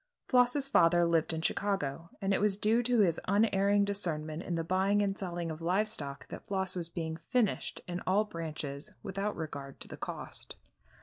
Floss's father lived in Chicago, and it was due to his unerring discernment in the buying and selling of live stock that Floss was being "finished" in all branches without regard to the cost.